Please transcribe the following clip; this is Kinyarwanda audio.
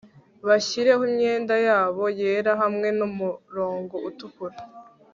Bashyireho imyenda yabo yera hamwe numurongo utukura